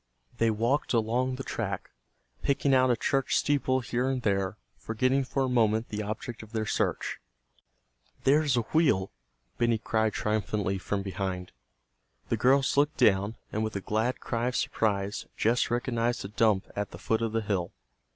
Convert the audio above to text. They walked along the track, picking out a church steeple here and there, forgetting for a moment the object of their search. "There's a wheel!" Benny cried triumphantly from behind. The girls looked down, and with a glad cry of surprise Jess recognized a dump at the foot of the hill.